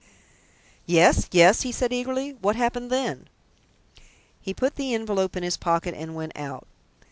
"Yes, yes," he said eagerly. "What happened then?" "He put the envelope in his pocket and went out.